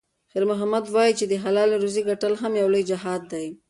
خیر محمد وایي چې د حلالې روزۍ ګټل هم یو لوی جهاد دی.